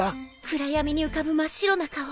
暗闇に浮かぶ真っ白な顔。